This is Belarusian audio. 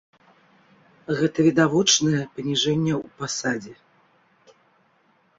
Гэта відавочнае паніжэнне ў пасадзе.